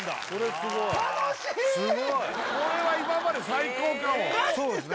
すごいこれは今まで最高かもマジですか？